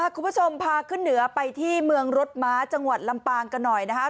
คุณผู้ชมพาขึ้นเหนือไปที่เมืองรถม้าจังหวัดลำปางกันหน่อยนะครับ